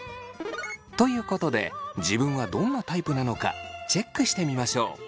ということで自分はどんなタイプなのかチェックしてみましょう！